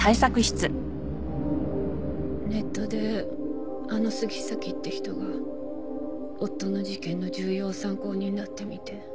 ネットであの杉崎って人が夫の事件の重要参考人だって見て。